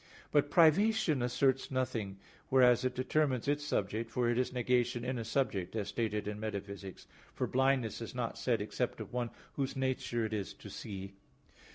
But privation asserts nothing, whereas it determines its subject, for it is "negation in a subject," as stated in Metaph. iv, 4: v. 27; for blindness is not said except of one whose nature it is to see.